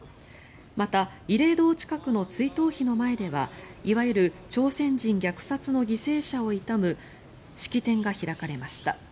また、慰霊堂近くの追悼碑の前ではいわゆる朝鮮人虐殺の犠牲者を悼む式典が開かれました。